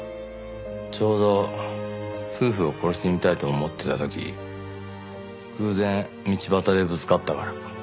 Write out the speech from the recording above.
ちょうど夫婦を殺してみたいと思ってた時偶然道端でぶつかったから。